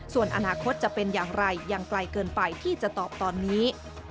ส่วนอนาคตจะเป็นอย่างไรยังไกลเกินไปที่จะตอบตอนนี้